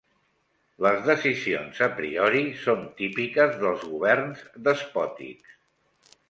Les decisions a priori són típiques dels governs despòtics.